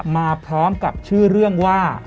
มาพร้อมกับชื่อเรื่องว่า